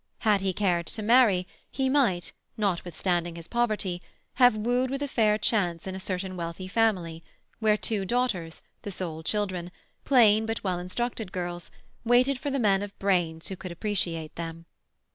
Had he cared to marry, he might, notwithstanding his poverty, have wooed with fair chance in a certain wealthy family, where two daughters, the sole children, plain but well instructed girls, waited for the men of brains who should appreciate them.